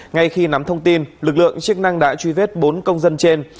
ngay khi nắm thông tin lực lượng chức năng đã truy vết bốn công dân trên